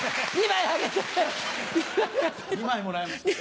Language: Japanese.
２枚もらえました。